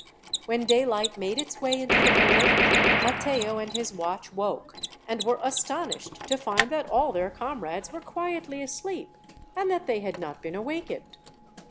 When daylight made its way into the hold, Matteo and his watch woke, and were astonished to find that all their comrades were quietly asleep, and that they had not been awakened.